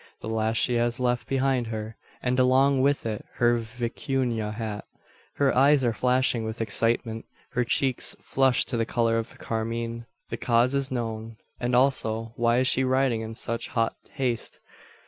The last she has left behind her, and along with it her vicuna hat. Her eyes are flashing with excitement; her cheeks flushed to the colour of carmine. The cause is known. And also why she is riding in such hot haste.